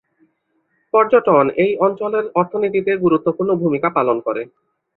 পর্যটন এই অঞ্চলের অর্থনীতিতে গুরুত্বপূর্ণ ভূমিকা পালন করে।